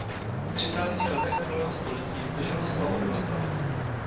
V třicátých letech minulého století zde žilo sto obyvatel.